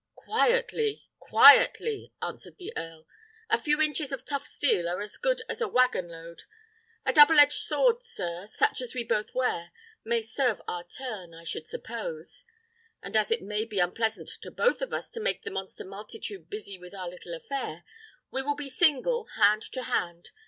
"Quietly! quietly!" answered the earl. "A few inches of tough steel are as good as a waggon load. A double edged sword, sir, such as we both wear, may serve our turn, I should suppose; and as it may be unpleasant to both of us to make the monster multitude busy with our little affair, we will be single, hand to hand.